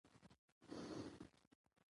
بدخشان د افغانستان د جغرافیې بېلګه ده.